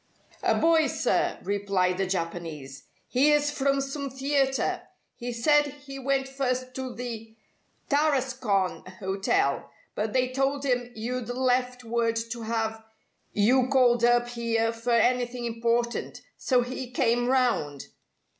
"A boy, sir," replied the Japanese. "He is from some theatre. He said he went first to the Tarascon Hotel, but they told him you'd left word to have you called up here for anything important, so he came round."